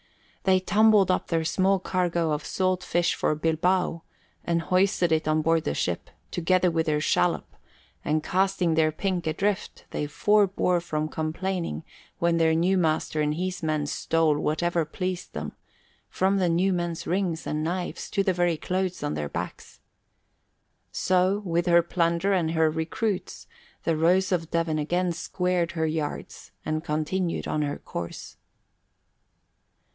They tumbled up their small cargo of salt fish for Bilbao and hoisted it on board the ship, together with their shallop, and casting their pink adrift, they forbore from complaining when their new master and his men stole whatever pleased them, from the new men's rings and knives to the very clothes on their backs. So, with her plunder and her recruits, the Rose of Devon again squared her yards and continued on her course.